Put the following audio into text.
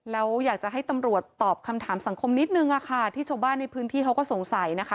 แล้วอยากจะให้ตำรวจตอบคำถามสังคมนิดนึงค่ะที่ชาวบ้านในพื้นที่เขาก็สงสัยนะคะ